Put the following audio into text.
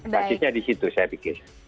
basisnya di situ saya pikir